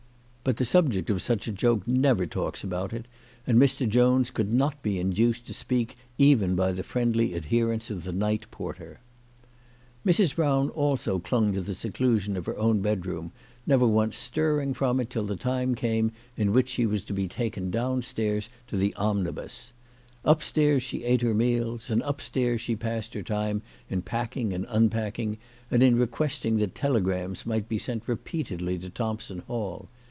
But the subject of such a joke never talks about it, and Mr. Jones could not be induced to speak even by the friendly adherence of the night porter. Mrs. Brown also clung to the seclusion of her own bedroom, never once stirring from it till the time came in which she was to be taken down to the omnibus. Upstairs she ate her meals, and upstairs she passed her time in packing and unpacking, and in requesting that telegrams might be sent repeatedly to Thompson Hall.